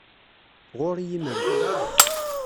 Ɣur-i imru.